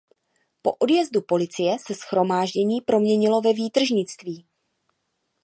Po odjezdu policie se shromáždění proměnilo ve výtržnictví.